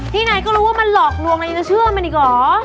ที่ในก็รู้มันหลอกลวงนะยังเชื่อมาอีกหรอ